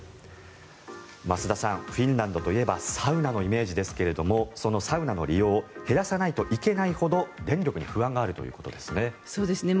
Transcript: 増田さん、フィンランドといえばサウナのイメージですがそのサウナの利用を減らさないといけないほど電力に不安があるということですね。